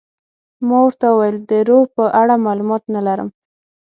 ما ورته وویل د روح په اړه معلومات نه لرم.